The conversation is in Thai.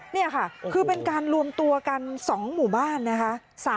นี่ค่ะคือเป็นการรวมตัวกัน๒หมู่บ้านนะคะ